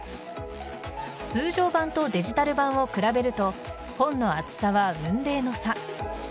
通常版とデジタル版を比べると本の厚さは雲泥の差。